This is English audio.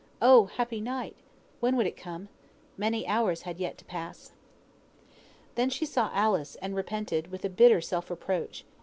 Oh! happy night! when would it come? Many hours had yet to pass. Then she saw Alice, and repented, with a bitter self reproach.